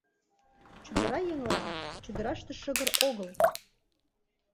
Чодыра еҥлан — чодыраште шыгыр огыл!